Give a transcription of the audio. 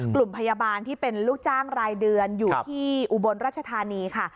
กลุ่มพยาบาลที่เป็นลูกจ้างรายเดือนอยู่ที่อุบลรัชธานีค่ะ